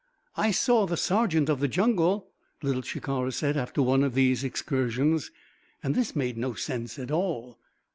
"I saw the sergeant of the jungle," Little Shikara said after one of these excursions. And this made no sense at all.